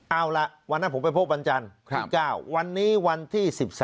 เอาล่ะวันนั้นผมไปพบวันจันทร์๑๙วันนี้วันที่๑๓